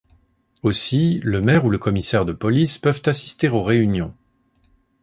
Aussi, le maire ou le commissaire de police peuvent assister aux réunions.